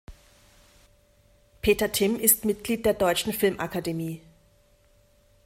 Peter Timm ist Mitglied der Deutschen Filmakademie.